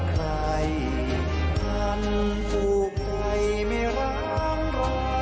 คำสุขใจไม่ร้างรัก